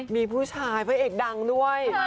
มีผู้ชายพระเอกดังด้วย